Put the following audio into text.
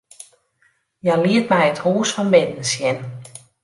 Hja liet my it hûs fan binnen sjen.